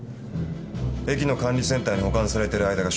駅の管理センターに保管されている間が勝負だ。